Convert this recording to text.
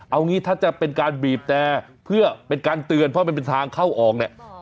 เอางี้ถ้าจะเป็นการบีบแต่เพื่อเป็นการเตือนเพราะมันเป็นทางเข้าออกเนี่ย